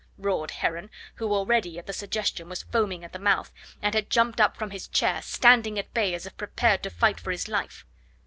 roared Heron, who already at the suggestion was foaming at the mouth, and had jumped up from his chair, standing at bay as if prepared to fight for his life.